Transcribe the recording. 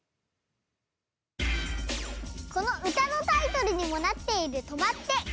この歌のタイトルにもなっている「とまって！」